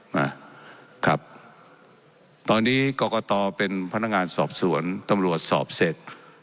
นะครับตอนนี้กรกตเป็นพนักงานสอบสวนตำรวจสอบเสร็จ